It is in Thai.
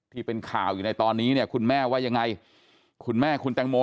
ที่เป็นข่าวอยู่ในตอนนี้เนี่ยคุณแม่ว่ายังไงคุณแม่คุณแตงโม